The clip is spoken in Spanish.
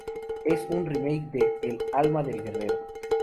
Es un remake de "El Alma del Guerrero".